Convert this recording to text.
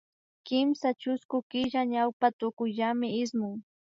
Kimsa chusku killa ñawpa tukuyllami ismun